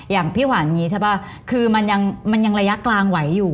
อย่างพี่หวานอย่างนี้ใช่ป่ะคือมันยังระยะกลางไหวอยู่